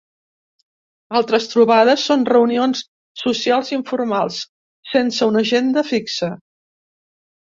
Altres trobades són reunions socials informals, sense una agenda fixa.